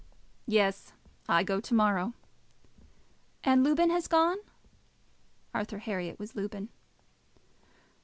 "Yes; I go to morrow." "And Lubin has gone?" Arthur Herriot was Lubin.